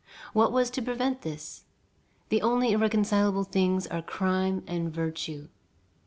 What was to prevent this? The only irreconcilable things are crime and virtue.